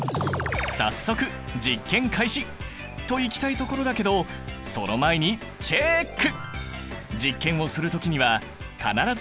早速実験開始。といきたいところだけどその前にチェック！